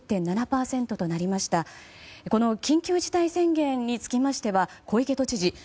この緊急事態宣言につきましては小池都知事